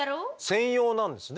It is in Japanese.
専用なんですね